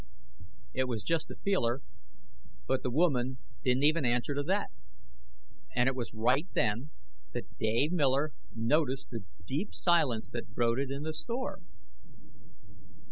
It was just a feeler, but the woman didn't even answer to that. And it was right then that Dave Miller noticed the deep silence that brooded in the store.